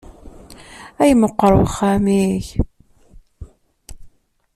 Ay meqqer uxxam-ik!